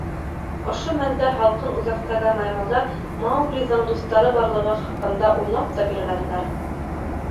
Ошо мәлдә һалҡын Үҙәктәге маймылдар Мауглиҙың дуҫтары барлығы хаҡында уйлап та бирмәнеләр.